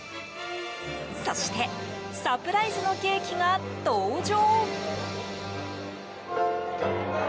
そしてサプライズのケーキが登場。